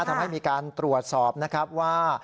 ทำให้มีการตรวจสอบนะครับว่า